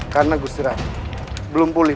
karena aku tidak pulih